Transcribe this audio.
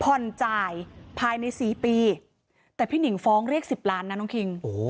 ผ่อนจ่ายภายในสี่ปีแต่พี่หนิงฟ้องเรียกสิบล้านนะน้องคิง